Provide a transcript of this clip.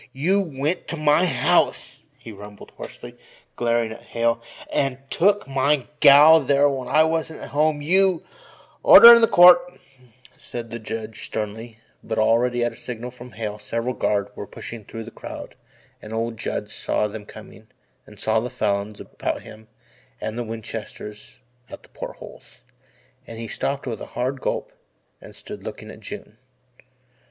"You went to my house," he rumbled hoarsely glaring at Hale "an' took my gal thar when I wasn't at home you " "Order in the Court," said the Judge sternly, but already at a signal from Hale several guards were pushing through the crowd and old Judd saw them coming and saw the Falins about him and the Winchesters at the port holes, and he stopped with a hard gulp and stood looking at June.